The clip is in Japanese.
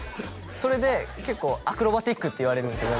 それで結構アクロバチックって言われるんですよ